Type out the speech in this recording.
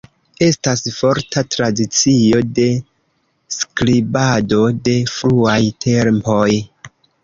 Estas forta tradicio de skribado de fruaj tempoj.